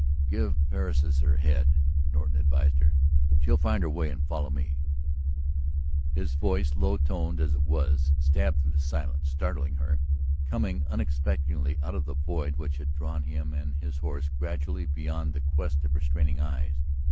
"Give Persis her head," Norton advised her. "She'll find her way and follow me." His voice, low toned as it was, stabbed through the silence, startling her, coming unexpectedly out of the void which had drawn him and his horse gradually beyond the quest of her straining eyes.